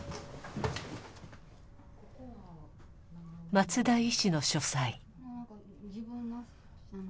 松田医師の書斎。